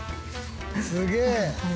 すげえ。